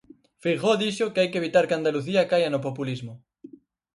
Feijóo dixo que hai que evitar que Andalucía caia no populismo.